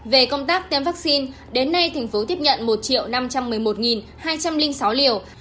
về công tác tiêm vaccine đến nay thành phố tiếp nhận một năm trăm một mươi một hai trăm linh sáu liều